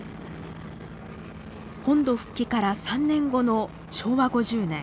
本土復帰から３年後の昭和５０年。